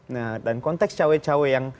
nah dan konteks cewek cewek yang